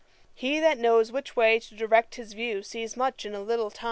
He that knows which way to direct his view, sees much in a little time.